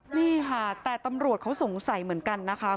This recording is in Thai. นี่ค่ะแต่ตำรวจเขาสงสัยเหมือนกันนะคะ